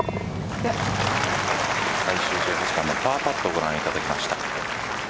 最終１８番のパーパットをご覧いただきました。